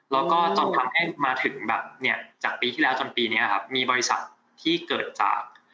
แล้วก็จนทำให้มาถึงแบบเนี่ยจากปีที่แล้วจนปีนี้ครับมีบริษัทที่เกิดจาก